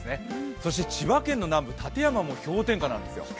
そして千葉県の南部、館山も氷点下なんですよ。